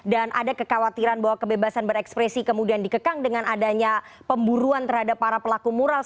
dan ada kekhawatiran bahwa kebebasan berekspresi kemudian dikekang dengan adanya pemburuan terhadap para pelaku moral